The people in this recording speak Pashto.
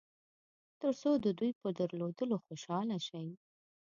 تر څو د دوی په درلودلو خوشاله شئ.